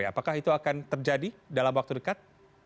apakah itu akan terjadi dalam waktu dekat